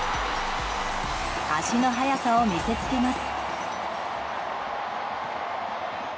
足の速さを見せつけます。